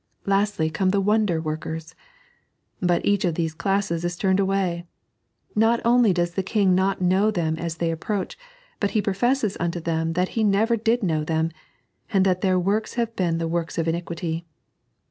Lastiy come the wonder workers. But each of these dassee is tnmed away. Not only does the Kmg not know them as they approach, hut He professes unto them that He never did know them, and that their works have been wm ks of iniquity.